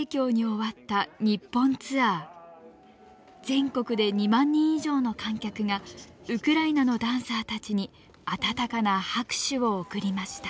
全国で２万人以上の観客がウクライナのダンサーたちに温かな拍手を送りました。